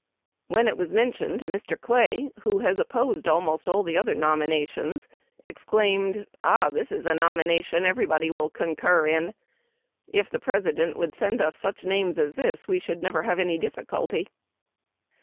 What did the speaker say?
When it was mentioned, Mr. Clay, who has opposed almost all the other nominations, exclaimed, ' Ah, this is a nomination every body will concur in ! If the President would send us such names as this we should never have any difficulty.'